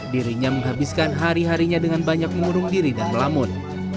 dirinya menghabiskan hari harinya dengan banyak mengurung diri dan melamun